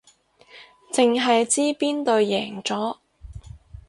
淨係知邊隊贏咗